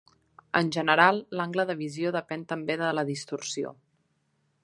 En general, l'angle de visió depèn també de la distorsió.